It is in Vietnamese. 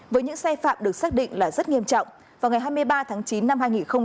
với những sai phạm được xác định là rất nghiêm trọng vào ngày hai mươi ba tháng chín năm hai nghìn một mươi chín